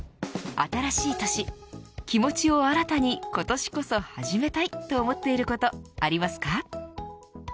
新しい年気持ちを新たに今年こそ始めたいと思っていることありますか。